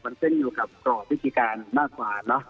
แต่มันขึ้นอยู่กับกร่อนพิธีการมากกว่า